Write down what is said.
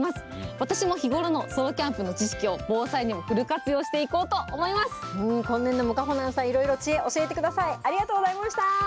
私も日頃のソロキャンプの知識を防災にもフル活用していこうと思今年度もかほなんさん、いろいろ知恵、教えてください、ありがとうございました。